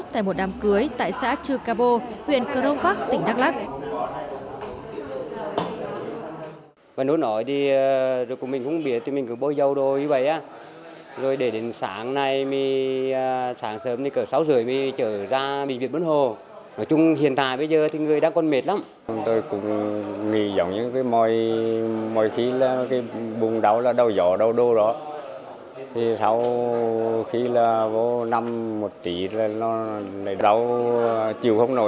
tại một đám cưới tại xã trư cà bô huyện cơ đông bắc tỉnh đắk lắc